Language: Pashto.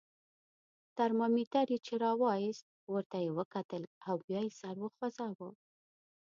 ترمامیتر یې چې را وایست، ورته یې وکتل او بیا یې سر وخوځاوه.